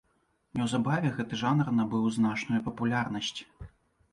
Неўзабаве гэты жанр набыў значную папулярнасць.